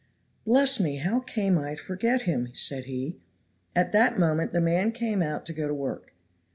"Bless me, how came I to forget him?" said he. At that moment the man came out to go to work.